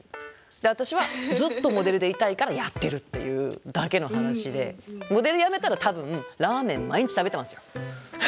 で私はずっとモデルでいたいからやってるっていうだけの話でモデルやめたら多分ラーメン毎日食べてますよ。